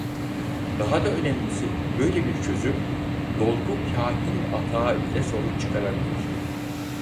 Daha da önemlisi böyle bir çözüm "dolgu kâhin atağı" ile sorun çıkarabilir.